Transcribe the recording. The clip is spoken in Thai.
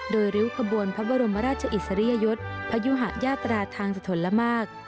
โดยริ้วขบวนพระบรมราชอิสริยยศพยุหะยาตราทางสะทนละมาก